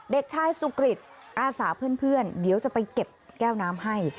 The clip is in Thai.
เด็กชายสุกริตอาสาเพื่อนเดี๋ยวจะไปเก็บแก้วน้ำให้